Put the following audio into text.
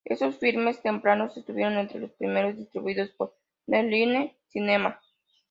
Estos filmes tempranos estuvieron entre los primeros distribuidos por "New Line Cinema".